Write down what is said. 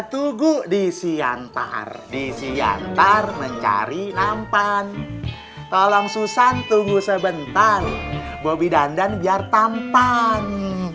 tugu di siantar di siantar mencari nampan tolong susan tunggu sebentar bobby dandan biar tampan